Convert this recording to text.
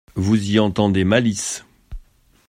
Vous y entendez malice.